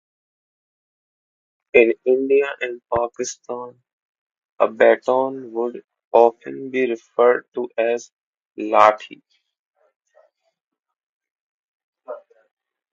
In India and Pakistan, a baton would often be referred to as a "lathi".